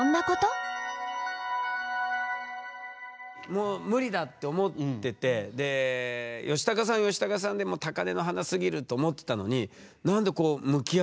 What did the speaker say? もうムリだって思っててでヨシタカさんはヨシタカさんでもう高根の花すぎると思ってたのに何でこう向き合うことになるんですか？